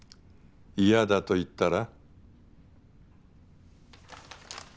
嫌だと言ったら？